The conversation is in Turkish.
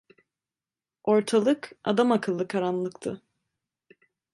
Ortalık adamakıllı karanlıktı.